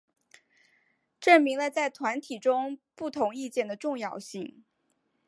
证明了在团体中不同意见的重要性。